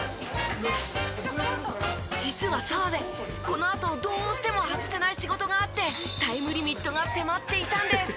このあとどうしても外せない仕事があってタイムリミットが迫っていたんです。